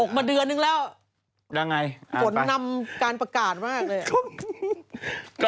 ตกมาเดือนหนึ่งแล้วฝนมันนำการประกาศมากเลยนะครับ